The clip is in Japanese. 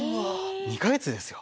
２か月ですよ。